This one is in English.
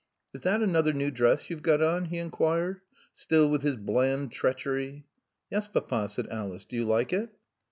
"Is that another new dress you've got on?" he inquired, still with his bland treachery. "Yes, Papa," said Alice. "Do you like it?"